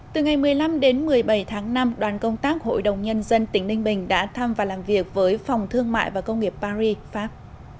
từ ngày một mươi năm đến một mươi bảy tháng năm đoàn công tác hội đồng nhân dân tỉnh ninh bình đã thăm và làm việc với phòng thương mại và công nghiệp paris pháp